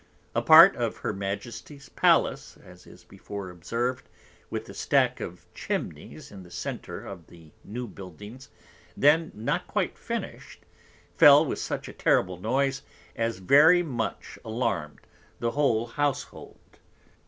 A part of her Majesty's Palace, as is before observ'd, with a Stack of Chimneys in the Centre of the new Buildings, then not quite finished, fell with such a terrible Noise as very much alarm'd the whole Houshold.